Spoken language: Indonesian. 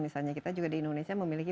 misalnya kita juga di indonesia memiliki